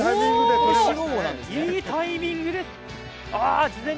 いいタイミングです。